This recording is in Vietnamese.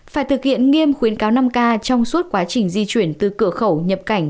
phải thực hiện nghiêm khuyến cáo năm k trong suốt quá trình di chuyển từ cửa khẩu nhập cảnh